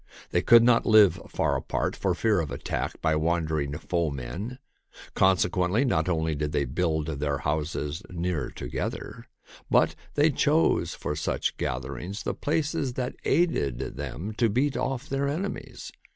They could not live far apart for fear of attack by wandering foemen. Consequently, not only did they build their homes near together, but they chose for such gatherings the places that aided them to beat off their ene mies.